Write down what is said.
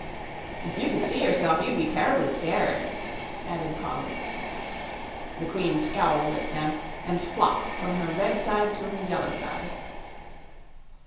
"If you could see yourself you'd be terribly scared," added Polly. The Queen scowled at them and flopped from her red side to her yellow side.